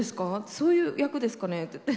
そういう役ですかね？って言って。